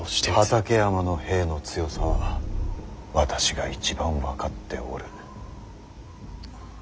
畠山の兵の強さは私が一番分かっておる。